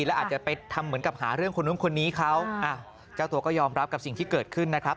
แล้วอาจจะไปทำเหมือนกับหาเรื่องคนนู้นคนนี้เขาเจ้าตัวก็ยอมรับกับสิ่งที่เกิดขึ้นนะครับ